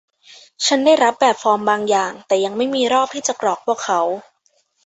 ฉันได้รับแบบฟอร์มบางอย่าง แต่ยังไม่มีรอบที่จะกรอกพวกเขา